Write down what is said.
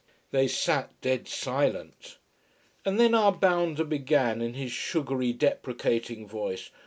They sat dead silent. And then our bounder began, in his sugary deprecating voice.